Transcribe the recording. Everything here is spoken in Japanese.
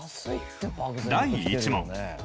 第１問。